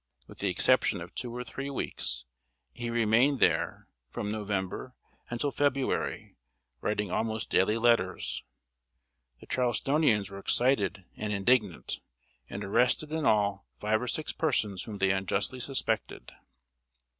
With the exception of two or three weeks, he remained there from November until February, writing almost daily letters. The Charlestonians were excited and indignant, and arrested in all five or six persons whom they unjustly suspected.